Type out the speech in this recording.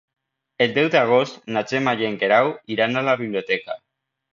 El deu d'agost na Gemma i en Guerau iran a la biblioteca.